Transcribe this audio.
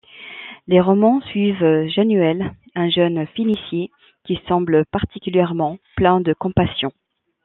Les romans suivent Januel, un jeune phénicier qui semble particulièrement plein de compassion.